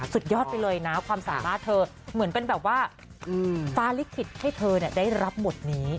สุดยอดไปเลยนะความสามารถเธอเหมือนเป็นแบบว่าฟ้าลิขิตให้เธอได้รับบทนี้